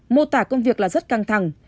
mô tả công việc là rất căng thẳng